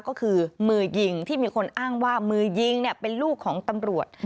ก็คือมือยิงที่มีคนอ้างว่ามือยิงเป็นลูกของตำรวจ